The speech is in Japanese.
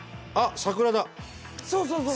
そうそうそう。